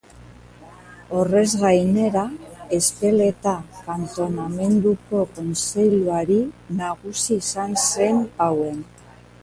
Horrez gainera, Ezpeleta kantonamenduko kontseilari nagusi izan zen Pauen.